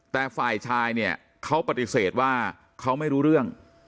แต่ฝ่ายชายเนี่ยเขาปฏิเสธว่าเขาไม่รู้เรื่อง